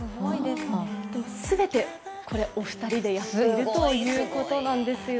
全てお二人でやっているということなんですよ。